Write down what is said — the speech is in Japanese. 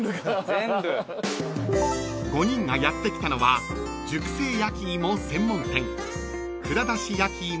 ［５人がやって来たのは熟成焼き芋専門店］